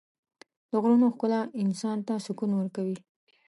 د غرونو ښکلا انسان ته سکون ورکوي.